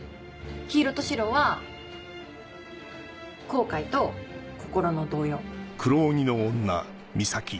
黄色と白は「後悔と心の動揺」。